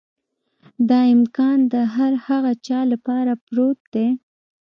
دا امکان د هر هغه چا لپاره پروت دی.